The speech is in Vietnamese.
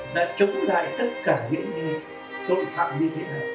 đã chống lại tất cả những tội phạm như thế nào